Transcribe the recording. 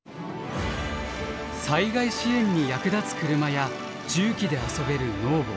災害支援に役立つ車や重機で遊べるｎｕｏｖｏ。